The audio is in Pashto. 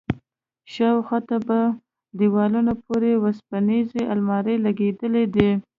شاوخوا ته په دېوالونو پورې وسپنيزې المارۍ لگېدلي دي.